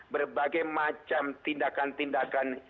berbagai macam tindakan tindakan